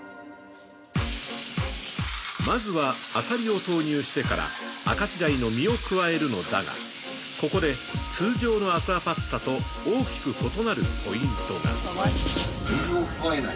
まずは、アサリを投入してから明石鯛の身を加えるのだがここで通常のアクアパッツァと大きく異なるポイントが！